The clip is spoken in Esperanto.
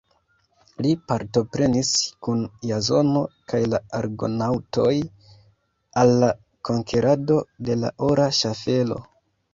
Li partoprenis kun Jazono kaj la Argonaŭtoj al la konkerado de la Ora Ŝaffelo.